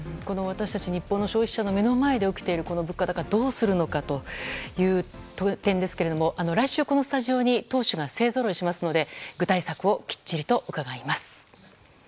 日本の消費者の目の前で起きているこの物価高をどうするのかという件ですが来週このスタジオに党首が勢ぞろいしますので具体策をきっちりと伺います。